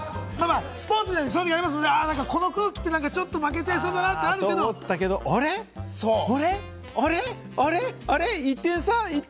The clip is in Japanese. スポーツでそういうときありますよね、この空気ってちょっと負けちゃいそうだなって。と思ったけれども、あれ？